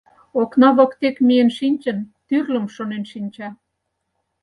Окна воктек миен шинчын, тӱрлым шонен шинча.